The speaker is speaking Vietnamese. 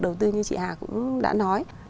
đầu tư như chị hà cũng đã nói